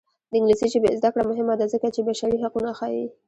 د انګلیسي ژبې زده کړه مهمه ده ځکه چې بشري حقونه ښيي.